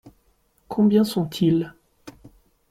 Combien sont-ils ?